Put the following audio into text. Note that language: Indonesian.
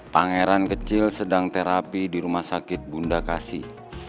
pangeran kecil sedang terapi di rumah sakit bunda kasih